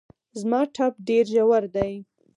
زما ټپ ډېر ژور دی